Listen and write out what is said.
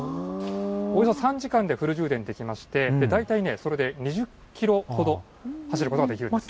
およそ３時間でフル充電できまして、大体それで２０キロほど走ることができるんですね。